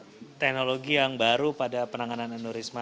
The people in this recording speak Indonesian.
ini adalah salah satu teknologi yang baru pada penanganan aneurisma